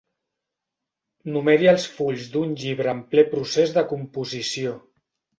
Numeri els fulls d'un llibre en ple procés de composició.